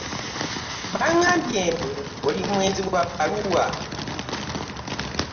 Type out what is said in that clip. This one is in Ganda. Baŋŋambye mbu oli nwenzi wa bbaluwa.